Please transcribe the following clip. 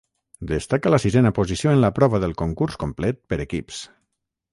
Destaca la sisena posició en la prova del concurs complet per equips.